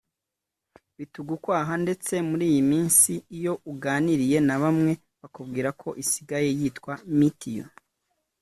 bitugukwaha ndetse muri iyi minsi iyo uganiriye na bamwe bakubwira ko isigaye yitwa Me to you